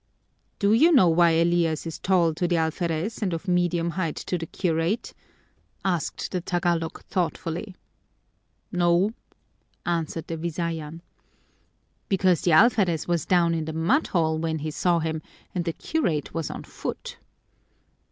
"Do you know why Elias is tall to the alferez and of medium height to the curate?" asked the Tagalog thoughtfully. "No," answered the Visayan. "Because the alferez was down in the mudhole when he saw him and the curate was on foot."